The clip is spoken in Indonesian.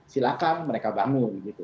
silahkan mereka bangun